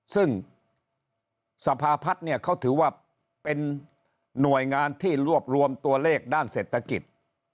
ซึ่งสภาพัฒน์เนี่ยเขาถือว่าเป็นหน่วยงานที่รวบรวมตัวเลขด้านเศรษฐกิจ